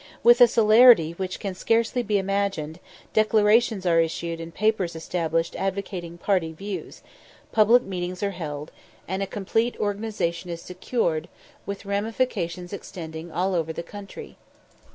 With a celerity which can scarcely be imagined, declarations are issued and papers established advocating party views; public meetings are held, and a complete organization is secured, with ramifications extending all over the country.